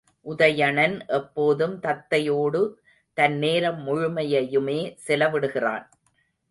உதயணன் எப்போதும் தத்தையோடு தன் நேரம் முழுமையையுமே செலவிடுகிறான்.